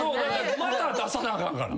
また出さなあかんから。